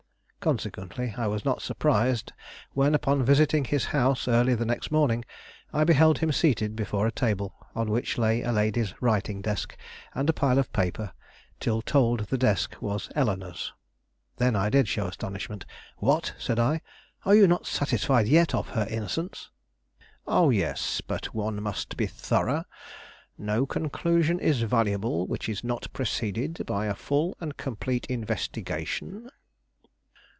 Consequently, I was not surprised when, upon visiting his house, early the next morning, I beheld him seated before a table on which lay a lady's writing desk and a pile of paper, till told the desk was Eleanore's. Then I did show astonishment. "What," said I, "are you not satisfied yet of her innocence?" "O yes; but one must be thorough. No conclusion is valuable which is not preceded by a full and complete investigation.